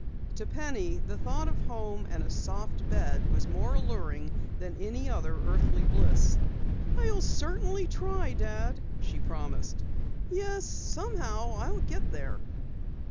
To Penny, the thought of home and a soft bed was more alluring than any other earthly bliss. "I'll certainly try, Dad," she promised. "Yes, somehow I'll get there."